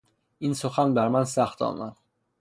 این سخن بر من سخت آمد.